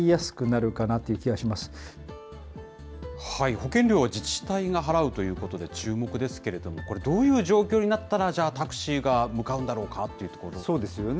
保険料は自治体が払うということで、注目ですけれども、これどういう状況になったら、じゃあタクシーが向かうんだろうかというところですよね。